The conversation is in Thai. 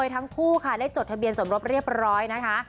ทั้งคู่ค่ะได้จดทะเบียนสมรสเรียบร้อยนะคะ